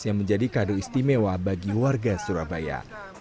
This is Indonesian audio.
yang menjadi kado istimewa bagi warga surabaya